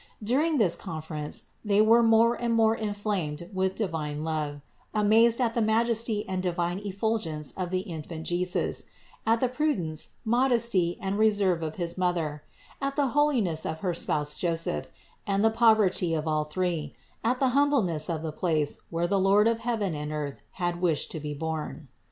During this conference they were more and more inflamed with divine love, amazed at the majesty and divine effulgence of the Infant Jesus; at the prudence, modesty and reserve of his Mother; at the holiness of her spouse Joseph, and the poverty of all three; at the humbleness of the place, where the Lord of heaven and earth had wished to be born.